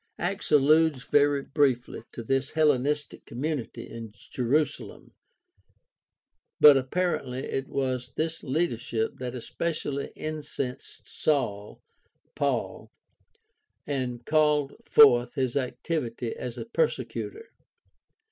Acts alludes very briefly to this Hellenistic community in Jerusalem (chaps. 6 f.), but appar ently it was this leadership that especially incensed Saul (Paul) and called forth his activity as a persecutor.